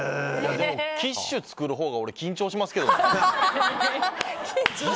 キッシュ作るほうが俺、緊張しますけどね。